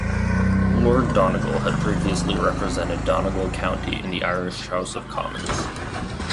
Lord Donegall had previously represented Donegal County in the Irish House of Commons.